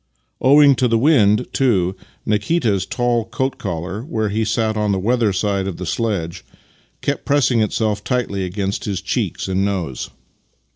Owing to the wind, too, Nikita's tall coat collar, where he sat on the weather side of the sledge, kept pressing itself tightly against his cheeks and nose.